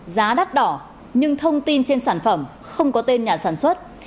giá đắt đỏ nhưng thông tin trên sản phẩm không có tên nhà sản xuất